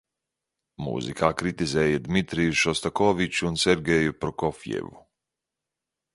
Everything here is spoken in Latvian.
Mūzikā kritizēja Dmitriju Šostakoviču un Sergeju Prokofjevu.